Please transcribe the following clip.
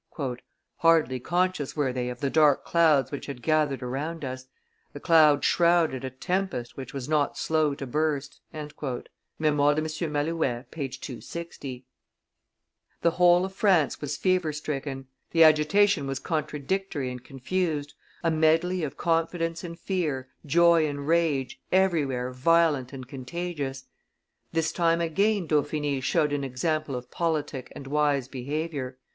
"Hardly conscious were they of the dark clouds which had gathered around us; the clouds shrouded a tempest which was not slow to burst." [Ibidem, p. 260.] The whole of France was fever stricken. The agitation was contradictory and confused, a medley of confidence and fear, joy and rage, everywhere violent and contagious. This time again Dauphiny showed an example of politic and wise behavior.